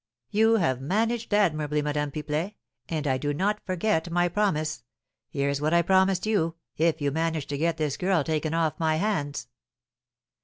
"You have managed admirably, Madame Pipelet; and I do not forget my promise; here is what I promised you, if you managed to get this girl taken off my hands."